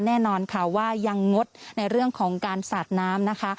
แน่นอนค่ะว่ายังงดในเรื่องของการสาดน้ำนะคะ